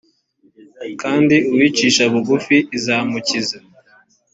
kandi uwicisha bugufi izamukiza